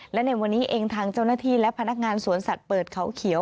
และในวันนี้เองทางเจ้าหน้าที่และพนักงานสวนสัตว์เปิดเขาเขียว